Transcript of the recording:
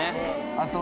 あと。